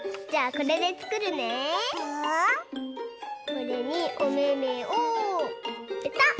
これにおめめをぺたっ。